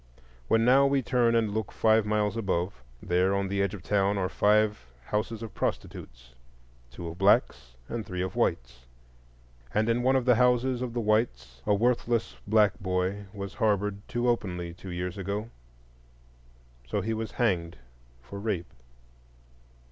When now we turn and look five miles above, there on the edge of town are five houses of prostitutes,—two of blacks and three of whites; and in one of the houses of the whites a worthless black boy was harbored too openly two years ago; so he was hanged for rape.